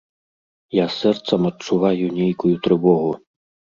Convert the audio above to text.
Я сэрцам адчуваю нейкую трывогу.